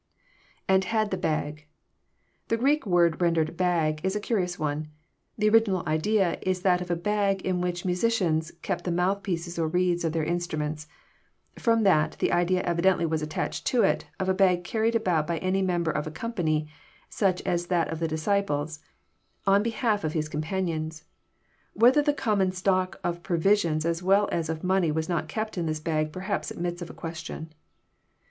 lAnd had the bag.'] The Greek word rendered " bag " is a curious one. The original idea is that of a bag in which musicians kept the mouthpieces or reeds of their instruments. From that, the idea evidently was attached to it, of a bag carried about by any member of a company, such as that of the dis ciples, on behalf of his companions. Whether the common stock of provisions as well as of money was not kept in this bag perhaps admits of a question.